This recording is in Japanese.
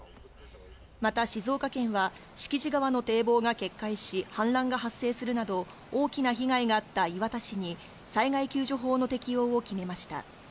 また静岡県は、敷地川の堤防が決壊し、氾濫が発生するなど、大きな被害があった磐田市に、災害救助法の適用を決めました。